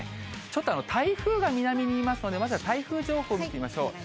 ちょっと台風が南にいますので、まずは台風情報、見てみましょう。